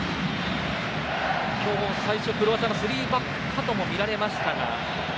今日も最初クロアチア３バックともみられましたが。